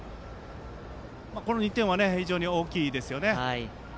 この２点は非常に大きいですね。